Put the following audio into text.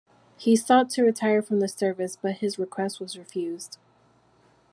He sought to retire from the service but his request was refused.